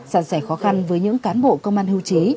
sàn sẻ khó khăn với những cán bộ công an hưu trí